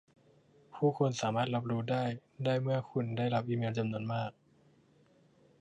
ผู้คนสามารถรับรู้ได้ได้เมื่อคุณได้รับอีเมลจำนวนมาก